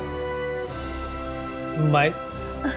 うまい。